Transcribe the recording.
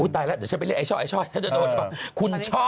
อุ้ยตายแล้วเดี๋ยวฉันไปเรียกไอ้ช่อถ้าจะโดนก็คุณช่อ